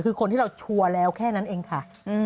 คือคนที่เราชัวร์แล้วแค่นั้นเองค่ะ